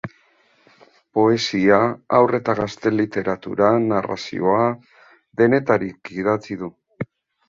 Poesia, Haur eta Gazte Literatura, narrazioa... denetarik idatzi du.